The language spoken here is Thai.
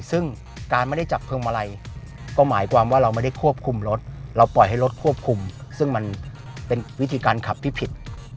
ซึ่งการไม่ได้จับพวงมาลัยก็หมายความว่าเราไม่ได้ควบคุมรถเราปล่อยให้รถควบคุมซึ่งมันเป็นวิธีการขับที่ผิด